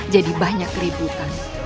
jadi banyak keributan